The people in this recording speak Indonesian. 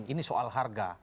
ini soal harga